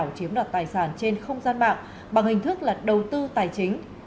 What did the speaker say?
lừa đảo chiếm đoạt tài sản trên không gian mạng bằng hình thức là đầu tư tài chính